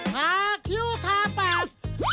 คาคิ้วทาปาก